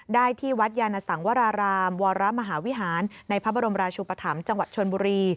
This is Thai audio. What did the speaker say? ได้ที่วัดยานสังวรารามวรมหาวิหารในพระบรมราชุปธรรมจังหวัดชนบุรี